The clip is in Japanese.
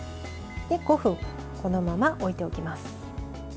５分、このまま置いておきます。